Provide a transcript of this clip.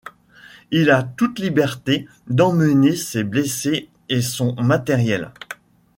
Il a toute liberté d'emmener ses blessés et son matériel.